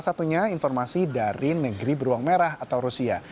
satunya informasi dari negeri beruang merah atau rusia